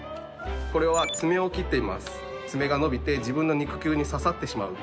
これは爪を切っています。